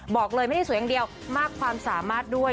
บอกเลยไม่ได้สวยอย่างเดียวมากความสามารถด้วย